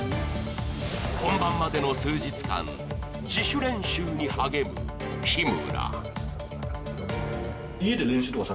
本番までの数日間、自主練習に励む日村。